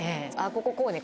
こここうね